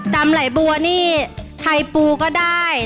ำไหลบัวนี่ไทยปูก็ได้